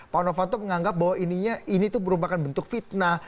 pak novanto menganggap bahwa ini tuh merupakan bentuk fitnah